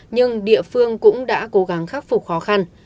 nhưng địa phương cũng đã cố gắng khắc phục khó khăn